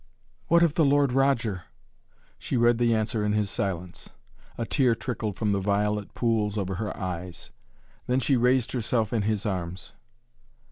"What of the Lord Roger?" She read the answer in his silence. A tear trickled from the violet pools of her eyes. Then she raised herself in his arms.